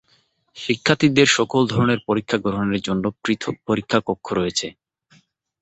শিক্ষার্থীদের সকল ধরনের পরীক্ষা গ্রহণের জন্য পৃথক পরীক্ষা কক্ষ রয়েছে।